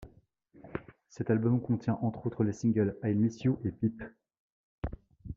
Cet album contient entre autres les singles I'll Miss You et Peep!.